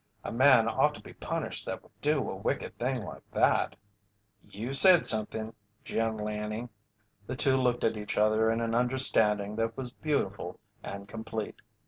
"A man ought to be punished that would do a wicked thing like that." "You've said somethin', Gentle Annie." The two looked at each other in an understanding that was beautiful and complete.